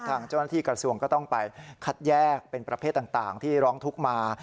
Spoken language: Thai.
ทางเจ้าหน้าที่กระทรวงก็ต้องไปคัดแยกเป็นประเภทต่างที่ร้องทุกข์มา